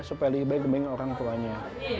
jadi baik baiknya orang tuanya